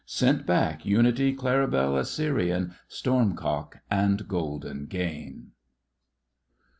"Sent back Unity, Claribel, Assyrian, Stormcock, and Golden Gain."